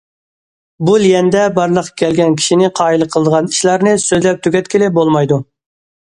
بۇ ليەندە بارلىققا كەلگەن كىشىنى قايىل قىلىدىغان ئىشلارنى سۆزلەپ تۈگەتكىلى بولمايدۇ.